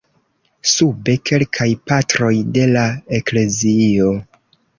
Sube, kelkaj Patroj de la Eklezio.